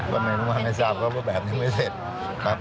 พระเมรุมาตรไม่ทราบก็แบบนี้ไม่เสร็จครับ